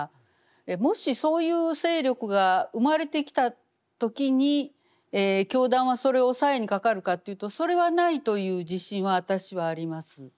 もしそういう勢力が生まれてきた時に教団はそれを抑えにかかるかというとそれはないという自信は私はあります。